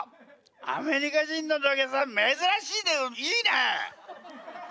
アメリカ人の土下座珍しいけどいいね！